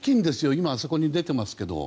今そこに出てますけど。